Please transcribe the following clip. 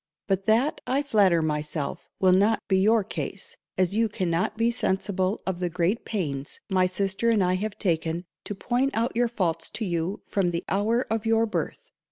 But that, I flatter myself, will not be your case, as you cannot but be sensible of the great pains my sister and I have taken to point out your faults to you from the _hour _of your birth.